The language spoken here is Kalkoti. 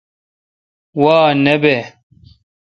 وا نہ بہ۔